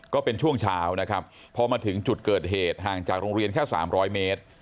ก็เป็นช่วงเช้านะครับพอมาถึงจุดเกิดเหตุห่างจากโรงเรียนแค่๓๐๐เมตร